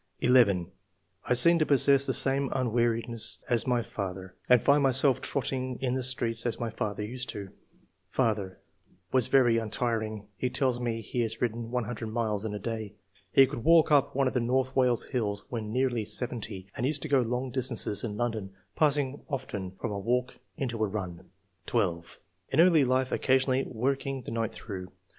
11. "I seem to possess the same unweariedness as my father, and find myself trotting in the streets as my father used to do. " Father — ^Was very untiring ; he tells me he has ridden 100 miles in a day. He could walk up one of the North Wales hills when nearly seventy, and used to go long distances in London, passing often from a walk into a run." 12. "In early life, occasionally working the night through.